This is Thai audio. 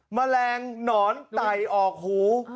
แมลงหนอนไต่ออกหู